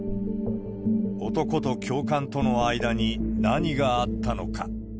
男と教官との間に、何があったのか。